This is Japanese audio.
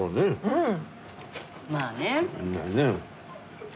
うん。